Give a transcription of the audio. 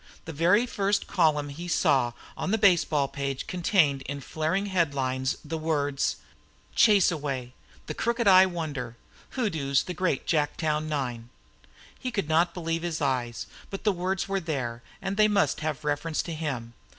The very first column he saw on the baseball page contained in flaring headlines, the words: "CHASEAWAY, THE CROOKED EYE WONDER, HOODOOS THE GREAT JACKTOWN NINE!" He could not believe his eyes. But the words were there, and they must have reference to him.